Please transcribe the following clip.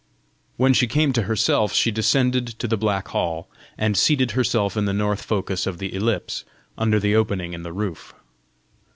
When she came to herself, she descended to the black hall, and seated herself in the north focus of the ellipse, under the opening in the roof.